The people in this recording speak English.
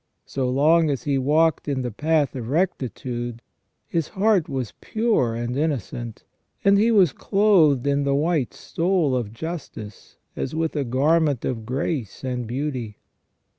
So long as he walked in the path of rectitude, his heart was pure and innocent, and he was clothed in the white stole of justice as with a garment of grace and beauty.